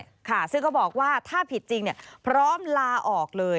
ค่ะซึ่งก็บอกว่าถ้าผิดจริงเนี่ยพร้อมลาออกเลย